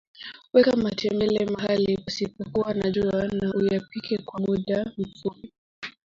weka matembele mahali pasipokuwa na jua na uyapike kwa muda mfupi